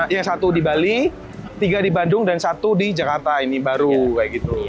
yang satu di bali tiga di bandung dan satu di jakarta ini baru kayak gitu